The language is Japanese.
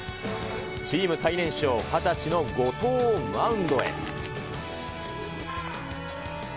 チーム最年少、２０歳の後藤をマウンドへ。